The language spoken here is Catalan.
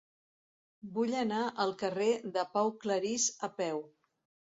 Vull anar al carrer de Pau Claris a peu.